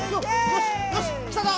よしよしきたぞ！